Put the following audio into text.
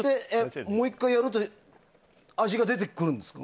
もう１回やると味が出てくるんですか？